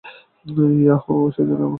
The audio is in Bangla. ইয়াহ সে জন্যই তো আমাকে সম্মান দাওনা।